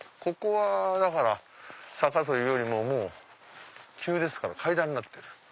ここはだから坂というよりも急ですから階段になってる。